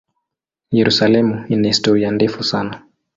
Yerusalemu ina historia ndefu sana.